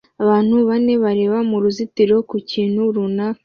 Abantu bane bareba mu ruzitiro ku kintu runaka